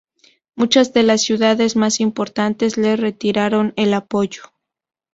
Muchas de las ciudades más importantes le retiraron el apoyo.